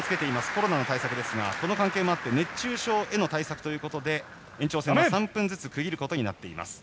コロナの対策ですがこの関係もあり熱中症への対策のため延長戦は３分ずつ区切ることになっています。